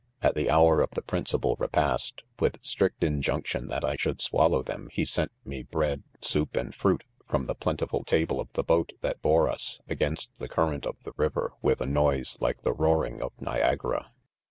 6 At the hour of the principal repast, with strict injunction that I should swallow them 3 he sent me bread, soup, and fruit from the plentiful table of the boat, that bore us ? against the current of the river, with a noise. like the roaring of Niagara.